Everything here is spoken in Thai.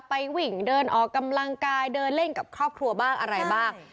ไปวิ่งเดินออกกำลังกายเดินเล่นกับครอบครัวบ้างอะไรบ้าง